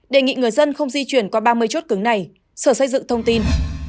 đề nghị người dân không di chuyển qua ba mươi chốt cứng này sở xây dựng thông tin